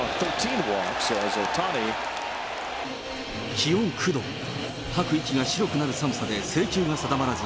気温９度、吐く息が白くなる寒さで制球が定まらず、